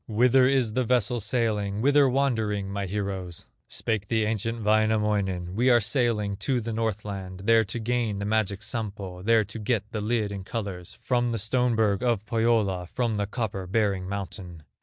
Whither is the vessel sailing, Whither wandering, my heroes?" Spake the ancient Wainamoinen: "We are sailing to the Northland, There to gain the magic Sampo, There to get the lid in colors, From the stone berg of Pohyola, From the copper bearing mountain."